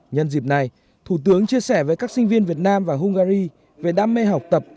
nhân dịp này thủ tướng chia sẻ với các sinh viên việt nam và hungary về đam mê học tập